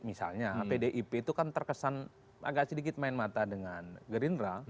misalnya pdip itu kan terkesan agak sedikit main mata dengan gerindra